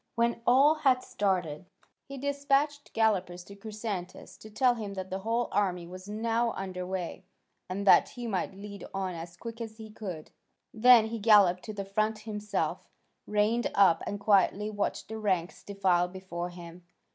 When all had started, he despatched gallopers to Chrysantas to tell him that the whole army was now under way, and that he might lead on as quick as he could. Then he galloped to the front himself, reined up, and quietly watched the ranks defile before him.